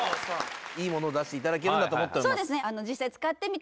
いいものを出していただけるんだと思っております